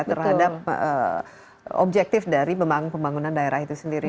terhadap objektif dari pembangunan daerah itu sendiri